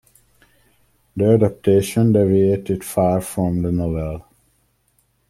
The adaptation deviated far from the novel.